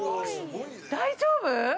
大丈夫？